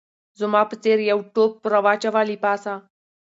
زما په څېر یو ټوپ راواچاوه له پاسه